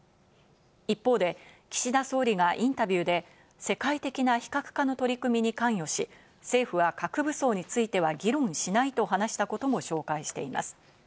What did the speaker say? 一方で岸田総理がインタビューで、快適な非核化の取り組みに関与し、政府は核武装については議論しないと話したことも紹介しています。